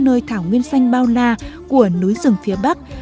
nơi thảo nguyên xanh bao la của núi rừng phía bắc